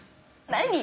何？